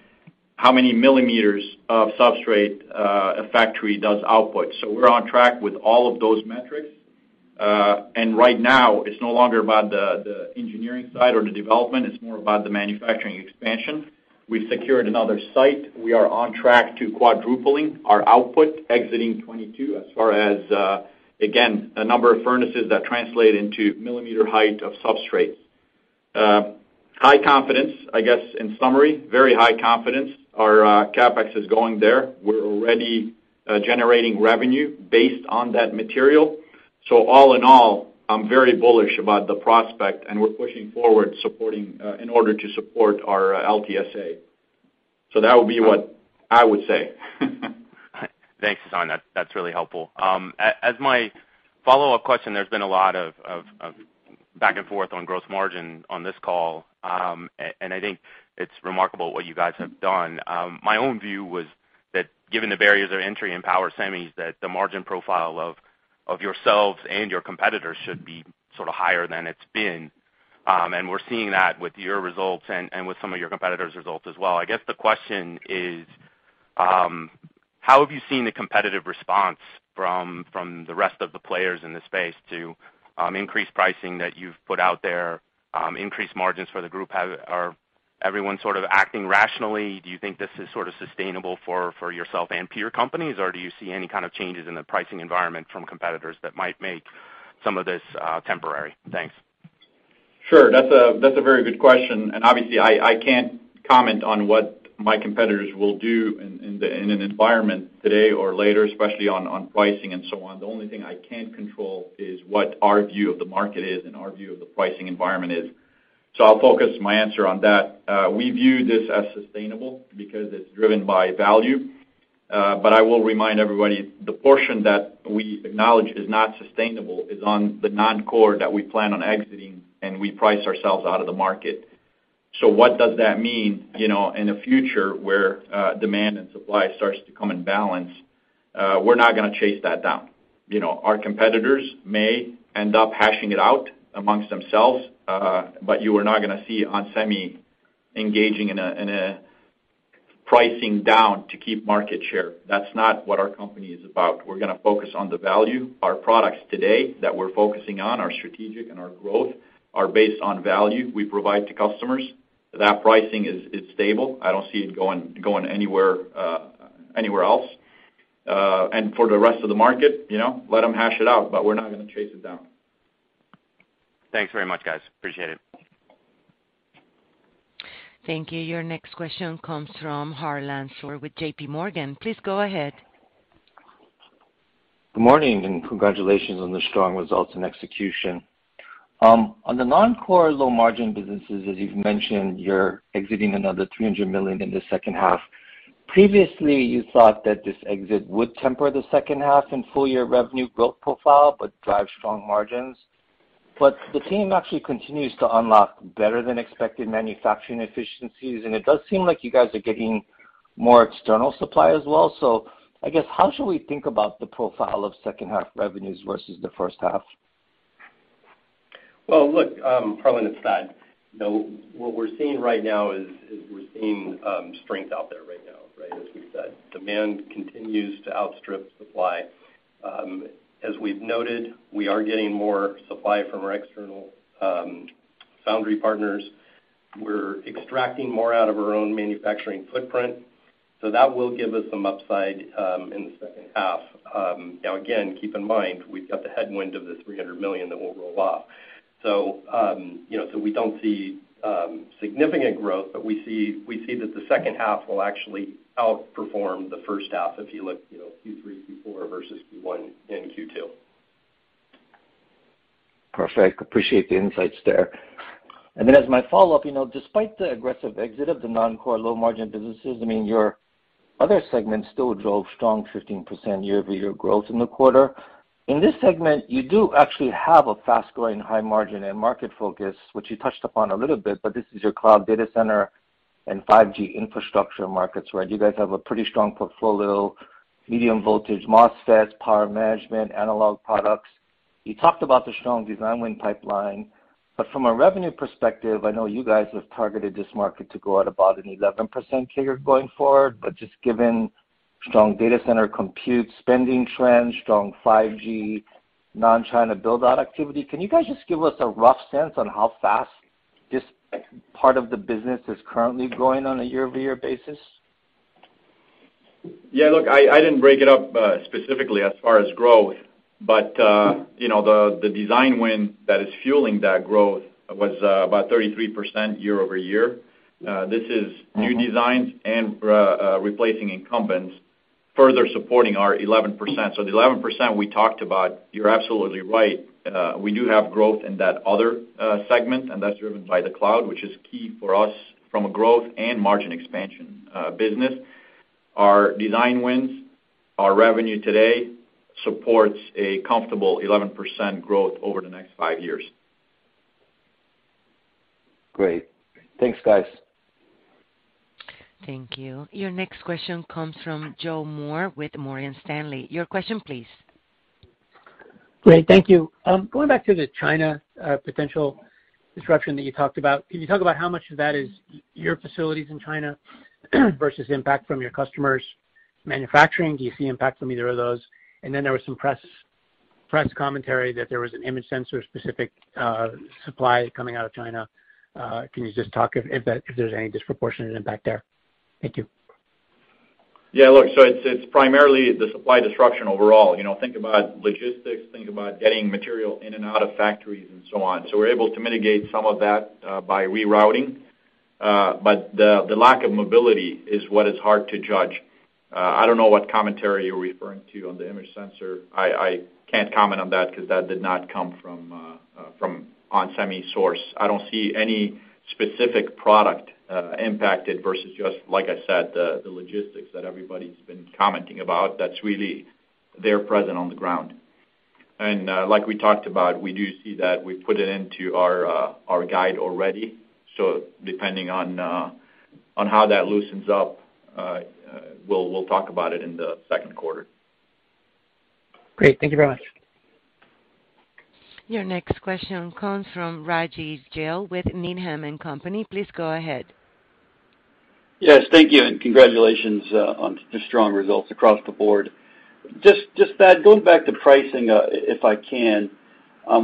how many millimeters of substrate, a factory does output. We're on track with all of those metrics. Right now it's no longer about the engineering side or the development, it's more about the manufacturing expansion. We've secured another site. We are on track to quadrupling our output exiting 2022 as far as, again, the number of furnaces that translate into millimeter height of substrates. High confidence, I guess, in summary, very high confidence. Our CapEx is going there. We're already generating revenue based on that material. All in all, I'm very bullish about the prospect, and we're pushing forward supporting in order to support our LTSA. That would be what I would say. Thanks, Hassane. That's really helpful. As my follow-up question, there's been a lot of back and forth on gross margin on this call, and I think it's remarkable what you guys have done. My own view was that given the barriers of entry in power semis, that the margin profile of yourselves and your competitors should be sort of higher than it's been. We're seeing that with your results and with some of your competitors' results as well. I guess the question is, how have you seen the competitive response from the rest of the players in this space to increased pricing that you've put out there, increased margins for the group? Are everyone sort of acting rationally? Do you think this is sort of sustainable for yourself and peer companies, or do you see any kind of changes in the pricing environment from competitors that might make some of this temporary? Thanks. Sure. That's a very good question, and obviously I can't comment on what my competitors will do in an environment today or later, especially on pricing and so on. The only thing I can control is what our view of the market is and our view of the pricing environment is. I'll focus my answer on that. We view this as sustainable because it's driven by value. I will remind everybody, the portion that we acknowledge is not sustainable is on the non-core that we plan on exiting, and we price ourselves out of the market. What does that mean, you know, in a future where demand and supply starts to come in balance? We're not gonna chase that down. You know, our competitors may end up hashing it out among themselves, but you are not gonna see ON Semi engaging in a pricing down to keep market share. That's not what our company is about. We're gonna focus on the value. Our products today that we're focusing on, our strategic and our growth, are based on value we provide to customers. That pricing is stable. I don't see it going anywhere else. For the rest of the market, you know, let them hash it out, but we're not gonna chase it down. Thanks very much, guys. Appreciate it. Thank you. Your next question comes from Harlan Sur with J.P. Morgan. Please go ahead. Good morning, and congratulations on the strong results and execution. On the non-core low margin businesses, as you've mentioned, you're exiting another $300 million in the second half. Previously, you thought that this exit would temper the second half in full year revenue growth profile, but drive strong margins. The team actually continues to unlock better than expected manufacturing efficiencies, and it does seem like you guys are getting more external supply as well. I guess, how should we think about the profile of second half revenues versus the first half? Well, look, Harlan Sur, it's Thad Trent. You know, what we're seeing right now is we're seeing strength out there right now, right, as we said. Demand continues to outstrip supply. As we've noted, we are getting more supply from our external foundry partners. We're extracting more out of our own manufacturing footprint, so that will give us some upside in the second half. Now again, keep in mind, we've got the headwind of the $300 million that will roll off. You know, so we don't see significant growth, but we see that the second half will actually outperform the first half if you look, you know, Q3, Q4 versus Q1 and Q2. Perfect. Appreciate the insights there. Then as my follow-up, you know, despite the aggressive exit of the non-core low margin businesses, I mean, your other segments still drove strong 15% year-over-year growth in the quarter. In this segment, you do actually have a fast-growing high margin and market focus, which you touched upon a little bit, but this is your cloud data center and 5G infrastructure markets, right? You guys have a pretty strong portfolio, medium voltage MOSFETs, power management, analog products. You talked about the strong design win pipeline. From a revenue perspective, I know you guys have targeted this market to grow at about an 11% figure going forward. Just given strong data center compute spending trends, strong 5G non-China build-out activity, can you guys just give us a rough sense on how fast this part of the business is currently growing on a year-over-year basis? Yeah, look, I didn't break it up specifically as far as growth, but you know, the design win that is fueling that growth was about 33% year-over-year. Mm-hmm. New designs and replacing incumbents, further supporting our 11%. The 11% we talked about, you're absolutely right. We do have growth in that other segment, and that's driven by the cloud, which is key for us from a growth and margin expansion business. Our design wins, our revenue today supports a comfortable 11% growth over the next five years. Great. Thanks, guys. Thank you. Your next question comes from Joe Moore with Morgan Stanley. Your question please. Great. Thank you. Going back to the China potential disruption that you talked about, can you talk about how much of that is your facilities in China versus impact from your customers' manufacturing? Do you see impact from either of those? And then there was some press commentary that there was an image sensor-specific supply coming out of China. Can you just talk if there's any disproportionate impact there? Thank you. Yeah, look, it's primarily the supply disruption overall. You know, think about logistics, think about getting material in and out of factories and so on. We're able to mitigate some of that by rerouting. The lack of mobility is what is hard to judge. I don't know what commentary you're referring to on the image sensor. I can't comment on that because that did not come from ON Semi source. I don't see any specific product impacted versus just, like I said, the logistics that everybody's been commenting about. That's really their presence on the ground. Like we talked about, we do see that we put it into our guide already. Depending on how that loosens up, we'll talk about it in the second quarter. Great. Thank you very much. Your next question comes from Rajvindra Gill with Needham & Company. Please go ahead. Yes, thank you, and congratulations on the strong results across the board. Just Thad, going back to pricing, if I can,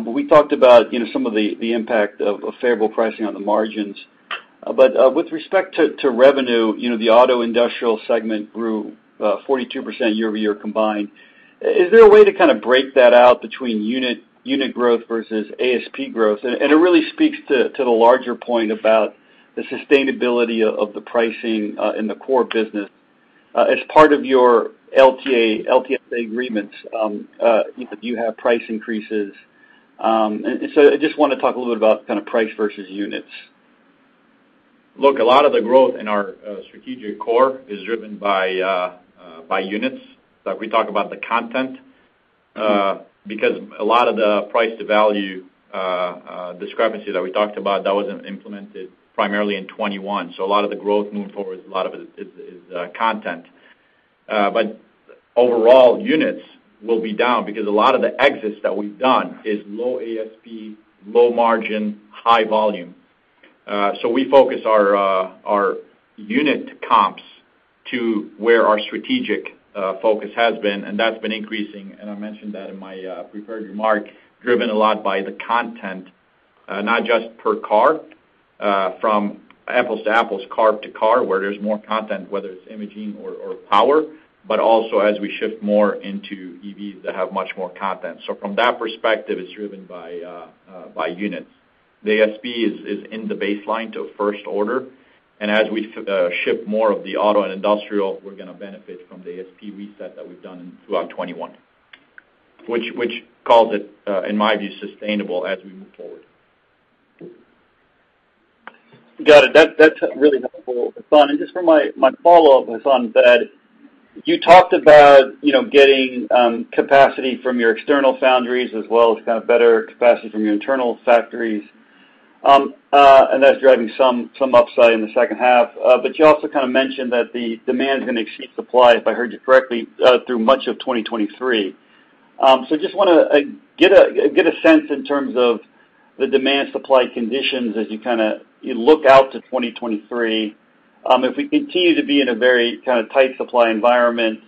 we talked about, you know, some of the impact of favorable pricing on the margins. With respect to revenue, you know, the auto industrial segment grew 42% year-over-year combined. Is there a way to kind of break that out between unit growth versus ASP growth? It really speaks to the larger point about the sustainability of the pricing in the core business. As part of your LTSA agreements, do you have price increases? I just wanna talk a little bit about kind of price versus units. Look, a lot of the growth in our strategic core is driven by units. Like we talk about the content, because a lot of the price-to-value discrepancy that we talked about, that was implemented primarily in 2021. A lot of the growth moving forward, a lot of it is content. But overall, units will be down because a lot of the exits that we've done is low ASP, low margin, high volume. We focus our unit comps to where our strategic focus has been, and that's been increasing, and I mentioned that in my prepared remark, driven a lot by the content, not just per car, from apples to apples, car to car, where there's more content, whether it's imaging or power, but also as we shift more into EVs that have much more content. From that perspective, it's driven by units. The ASP is in the baseline to a first order. As we ship more of the auto and industrial, we're gonna benefit from the ASP reset that we've done throughout 2021. Which calls it, in my view, sustainable as we move forward. Got it. That's really helpful, Hassan. Just for my follow-up, Hassan, Thad, you talked about, you know, getting capacity from your external foundries as well as kind of better capacity from your internal factories. That's driving some upside in the second half. You also kind of mentioned that the demand is gonna exceed supply, if I heard you correctly, through much of 2023. Just wanna get a sense in terms of the demand supply conditions as you look out to 2023. If we continue to be in a very kinda tight supply environment,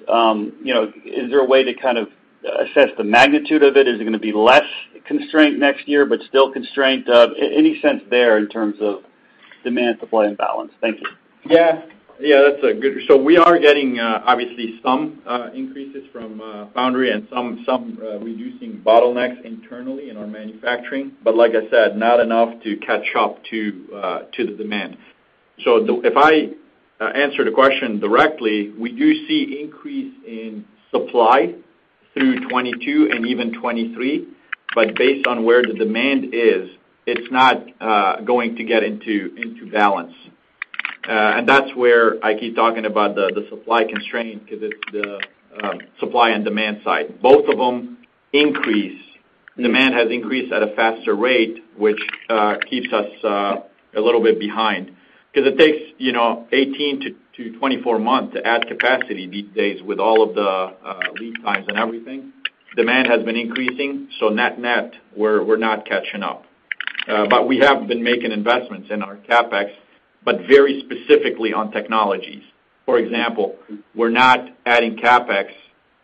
you know, is there a way to kind of assess the magnitude of it? Is it gonna be less constrained next year but still constrained? Any sense there in terms of demand, supply and balance? Thank you. That's a good. We are getting obviously some increases from foundry and some reducing bottlenecks internally in our manufacturing. Like I said, not enough to catch up to the demand. If I answer the question directly, we do see increase in supply through 2022 and even 2023. Based on where the demand is, it's not going to get into balance. That's where I keep talking about the supply constraint, 'cause it's the supply and demand side. Both of them increase. Demand has increased at a faster rate, which keeps us a little bit behind. 'Cause it takes, you know, 18-24 months to add capacity these days with all of the lead times and everything. Demand has been increasing, so net-net, we're not catching up. We have been making investments in our CapEx, but very specifically on technologies. For example, we're not adding CapEx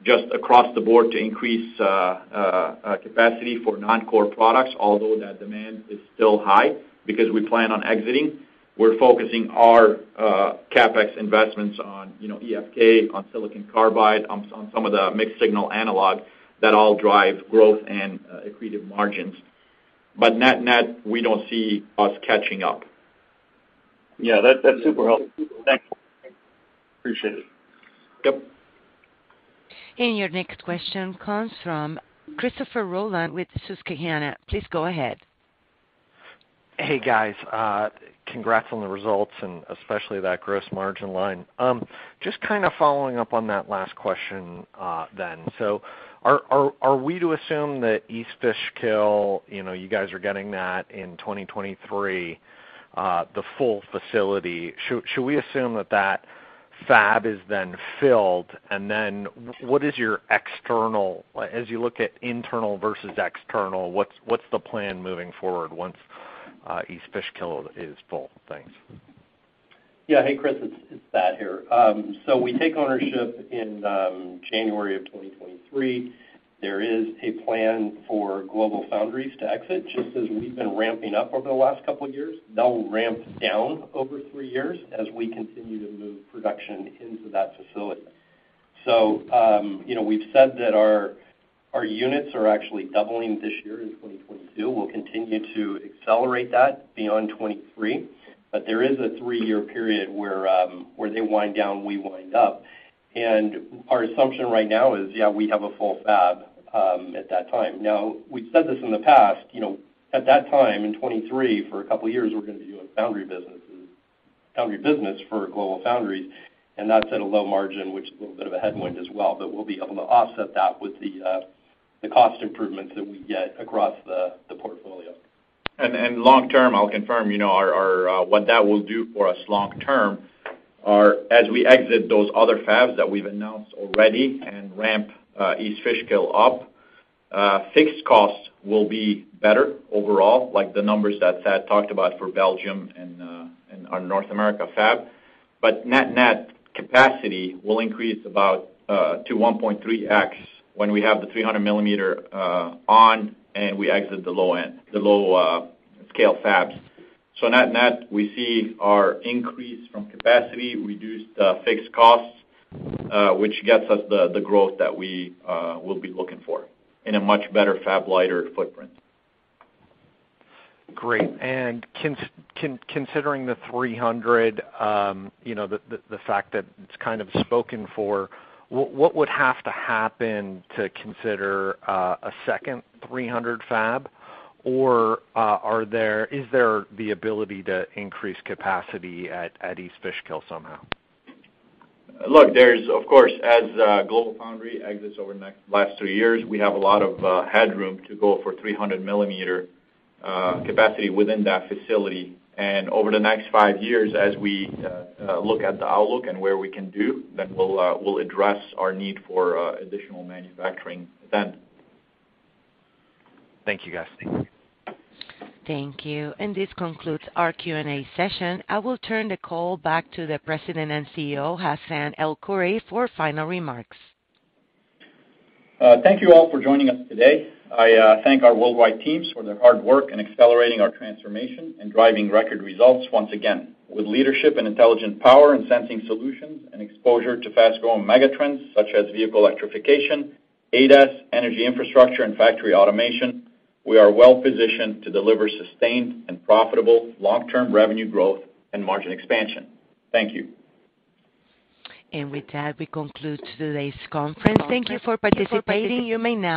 just across the board to increase capacity for non-core products, although that demand is still high, because we plan on exiting. We're focusing our CapEx investments on, you know, EFK, on silicon carbide, on some of the mixed signal analog that all drive growth and accretive margins. Net-net, we don't see us catching up. Yeah, that's super helpful. Thank you. Appreciate it. Yep. Your next question comes from Christopher Rolland with Susquehanna. Please go ahead. Hey, guys. Congrats on the results and especially that gross margin line. Just kind of following up on that last question, then. Are we to assume that East Fishkill, you know, you guys are getting that in 2023, the full facility. Should we assume that fab is then filled? And then what is your external. As you look at internal versus external, what's the plan moving forward once East Fishkill is full? Thanks. Yeah. Hey, Chris, it's Thad here. We take ownership in January 2023. There is a plan for GlobalFoundries to exit. Just as we've been ramping up over the last couple years, they'll ramp down over three years as we continue to move production into that facility. You know, we've said that our units are actually doubling this year in 2022. We'll continue to accelerate that beyond 2023. There is a three-year period where they wind down, we wind up. Our assumption right now is, yeah, we have a full fab at that time. Now, we've said this in the past, you know, at that time in 2023, for a couple of years, we're gonna be doing foundry business for GlobalFoundries, and that's at a low margin, which is a little bit of a headwind as well. We'll be able to offset that with the cost improvements that we get across the portfolio. Long term, I'll confirm, you know, what that will do for us long term is as we exit those other fabs that we've announced already and ramp East Fishkill up, fixed costs will be better overall, like the numbers that Thad talked about for Belgium and our North America fab. Net-net capacity will increase about to 1.3x when we have the 300 mm on and we exit the low end, low scale fabs. Net-net, we see our increase from capacity, reduced fixed costs, which gets us the growth that we will be looking for in a much better fab-liter footprint. Great. Considering the 300, you know, the fact that it's kind of spoken for, what would have to happen to consider a second 300 fab? Or, is there the ability to increase capacity at East Fishkill somehow? Look, there's of course, as GlobalFoundries exits over the last three years, we have a lot of headroom to go for 300 mm capacity within that facility. Over the next five years, as we look at the outlook and where we can do, then we'll address our need for additional manufacturing then. Thank you, guys. Thank you. This concludes our Q&A session. I will turn the call back to the President and CEO, Hassane El-Khoury, for final remarks. Thank you all for joining us today. I thank our worldwide teams for their hard work in accelerating our transformation and driving record results once again. With leadership in intelligent power and sensing solutions and exposure to fast-growing mega trends such as vehicle electrification, ADAS, energy infrastructure, and factory automation, we are well-positioned to deliver sustained and profitable long-term revenue growth and margin expansion. Thank you. With that, we conclude today's conference. Thank you for participating. You may now disconnect.